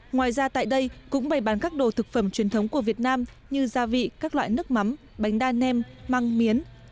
ngoài ra tại đây cũng bày bán các đồ thực phẩm truyền thống của việt nam như gia vị các loại nước mắm bánh đa nem măng miến